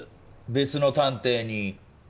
別の探偵に。